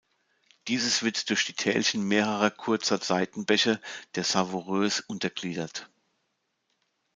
Dieses wird durch die Tälchen mehrerer kurzer Seitenbäche der Savoureuse untergliedert.